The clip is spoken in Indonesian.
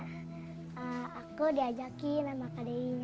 soalnya aku diajakin emang kadir